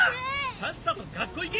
さっさと学校行け！